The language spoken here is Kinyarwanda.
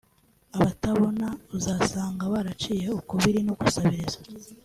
Abatabona uzasanga baraciye ukubiri no gusabiriza